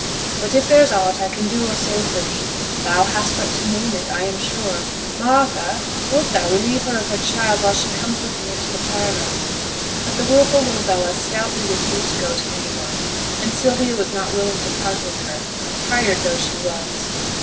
But if there's aught I can do or say for thee, thou hast but to name it, I am sure. Martha! wilt thou relieve her of her child while she comes with me into the parlour?' But the wilful little Bella stoutly refused to go to any one, and Sylvia was not willing to part with her, tired though she was.